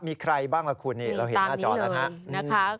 มีใครบ้างล่ะคุณเราเห็นหน้าจอแล้วนะ